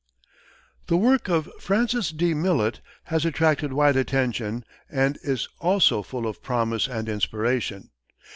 The work of Francis D. Millet has attracted wide attention and is also full of promise and inspiration.